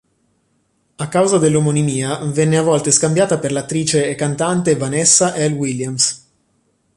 A causa dell'omonimia viene a volte scambiata per l'attrice e cantante Vanessa L. Williams.